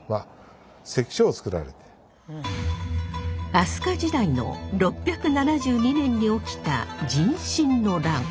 飛鳥時代の６７２年に起きた壬申の乱。